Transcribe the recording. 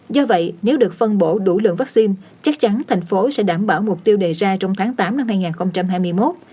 do vậy nếu được phân bổ đủ lượng vaccine chắc chắn thành phố sẽ đảm bảo mục tiêu đề ra trong tháng tám năm hai nghìn hai mươi một